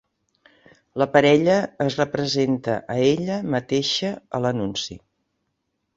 La parella es representa a ella mateixa a l'anunci.